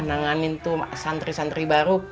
nanganin santri santri baru